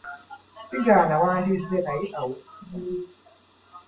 Ssigaana wandizze naye ew'okusula!